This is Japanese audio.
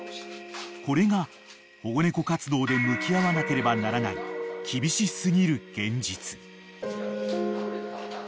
［これが保護猫活動で向き合わなければならない厳し過ぎる現実］